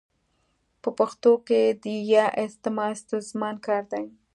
په پښتو کي د ي استعمال ستونزمن کار دی.